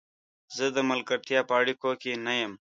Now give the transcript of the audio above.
زه د ملګرتیا په اړیکو کې نه یم.